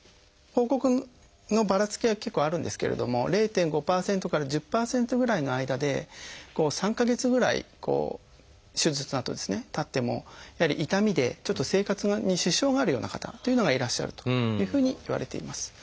報告のばらつきは結構あるんですけれども０．５％から１０％ぐらいの間で３か月ぐらい手術のあとたってもやはり痛みでちょっと生活に支障があるような方というのがいらっしゃるというふうにいわれています。